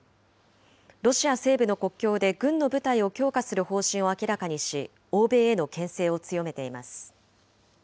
ロシア西部の国境で軍の部隊を強化する方針を明らかにし、欧米へのけん制を強めています。